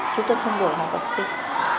chúng tôi không đổi học học sinh